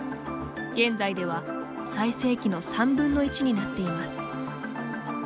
現在では、最盛期の３分の１になっています。